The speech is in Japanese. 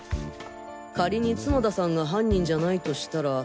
仮に角田さんが犯人じゃないとしたら。